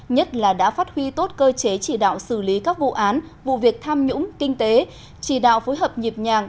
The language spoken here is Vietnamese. nhất là đã phát huy tốt cơ chế chỉ đạo xử lý các vụ án vụ việc tham nhũng kinh tế chỉ đạo phối hợp nhịp nhàng